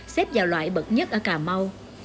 xếp vào loại bậc nhất ở cà mau